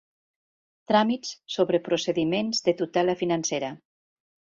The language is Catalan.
Tràmits sobre procediments de tutela financera.